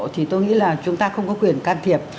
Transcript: thì tôi nghĩ là chúng ta không có quyền can thiệp